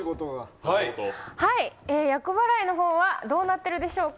厄払いのほうはどうなってるでしょうか。